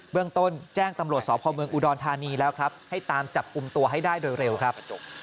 เรื่องต้นแจ้งตำรวจสพเมืองอุดรธานีแล้วครับให้ตามจับกลุ่มตัวให้ได้โดยเร็วครับ